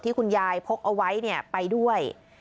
คุณยายพกเอาไว้ไปด้วย